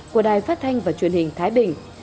của đài phát thanh và truyền hình thái bình